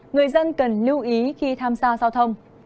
người dân cần lưu ý khi tham gia giao thông